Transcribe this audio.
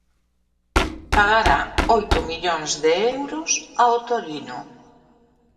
Pagará oito millóns de euros ao Torino.